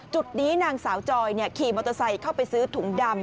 จุดนี้นางสาวจอยขี่มอเตอร์ไซค์เข้าไปซื้อถุงดำ